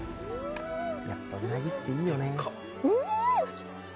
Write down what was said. やっぱうなぎっていいよねうーん！